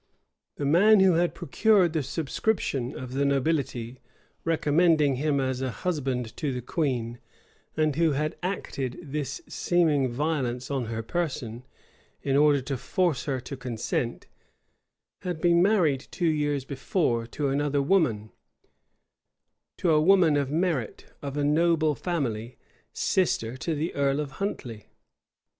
The man who had procured the subscription of the nobility, recommending him as a husband to the queen, and who had acted this seeming violence on her person, in order to force her consent, had been married two years before to another woman; to a woman of merit, of a noble family, sister to the earl of Huntley.